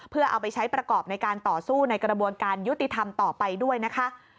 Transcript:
เพื่อเอาไปใช้ประกอบในการต่อสู้ในกระบวนการยุติธรรมต่อไปด้วยนะคะ